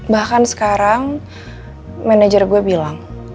bahkan sekarang manajer gue bilang